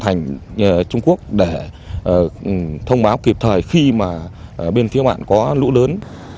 chúng tôi đã phòng thành trung quốc để thông báo kịp thời khi mà bên phía mạng có lũ lớn